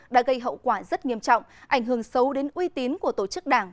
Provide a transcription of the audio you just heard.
đã gây hậu quả rất nghiêm trọng ảnh hưởng xấu đến uy tín của tổ chức đảng